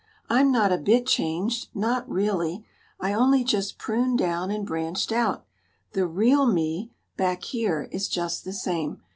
"I'm not a bit changed not really. I'm only just pruned down and branched out. The real me back here is just the same.